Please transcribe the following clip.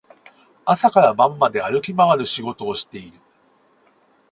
朝から晩まで歩き回る仕事をしている